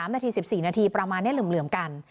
นาที๑๔นาทีประมาณนี้เหลื่อมกัน